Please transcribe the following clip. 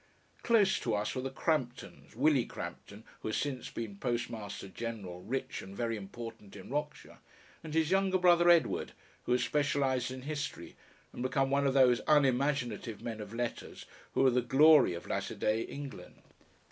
Close to us were the Cramptons, Willie Crampton, who has since been Postmaster General, rich and very important in Rockshire, and his younger brother Edward, who has specialised in history and become one of those unimaginative men of letters who are the glory of latter day England.